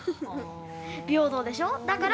平等でしょ？だから。